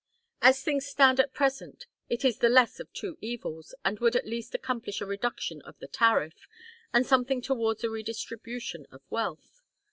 As things stand at present, it is the less of two evils, and would at least accomplish a reduction of the tariff, and something towards a redistribution of wealth.